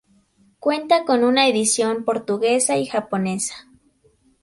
Cuenta con una edición portuguesa y japonesa.